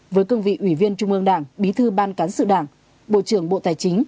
với cương vị ủy viên trung ương đảng bí thư ban cán sự đảng bộ trưởng bộ tài chính